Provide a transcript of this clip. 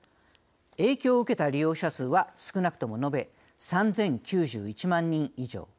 影響を受けた利用者数は少なくとも延べ３０９１万人以上。